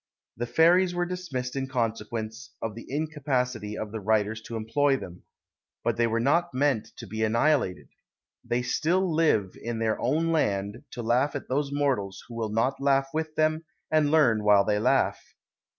The Fairies were dismissed in consequence of the incapacity of the writers to employ them; but they were not to be annihilated. They still live in their own land, to laugh at those mortals who will not laugh with them and learn while they laugh.